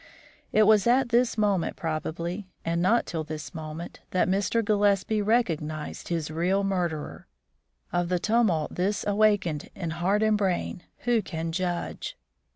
[A] [Footnote A: It was at this moment probably, and not till this moment, that Mr. Gillespie recognized his real murderer. Of the tumult thus awakened in heart and brain, who can judge!